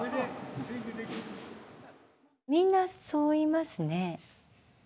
みんなそう言いますね。